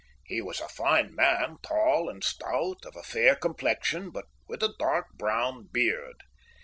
He was a fine man, tall and stout, of a fair complexion, but with a dark brown beard.